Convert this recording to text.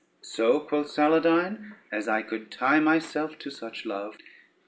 "So," quoth Saladyne, "as I could tie myself to such love."